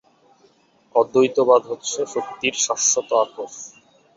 অদ্বৈতবাদ হচ্ছে শক্তির শাশ্বত আকর।